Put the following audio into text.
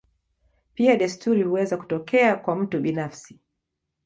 Pia desturi huweza kutokea kwa mtu binafsi.